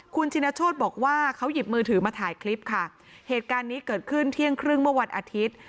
คุณชินโชธบอกว่าเขาหยิบมือถือมาถ่ายคลิปค่ะเหตุการณ์นี้เกิดขึ้นเที่ยงครึ่งเมื่อวันอาทิตย์